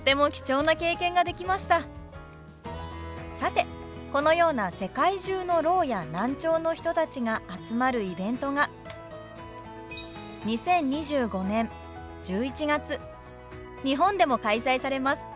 さてこのような世界中のろうや難聴の人たちが集まるイベントが２０２５年１１月日本でも開催されます。